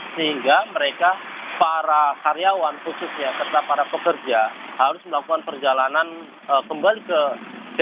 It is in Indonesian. sehingga mereka para karyawan khususnya serta para pekerja harus melakukan perjalanan kembali ke jakarta